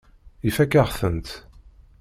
Ifakk-aɣ-tent.